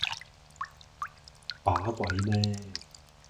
把鬼咩